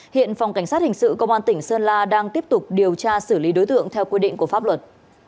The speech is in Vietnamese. hiện phòng cảnh sát hình sự công an tỉnh sơn la đang tiếp tục điều tra xử lý đối tượng theo quy định của pháp luật